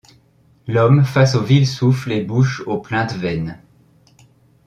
L’homme, face au vil souffle et bouche aux plaintes vaines